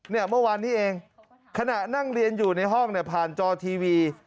เมื่อวานนี้เองขณะนั่งเรียนอยู่ในห้องเนี่ยผ่านจอทีวี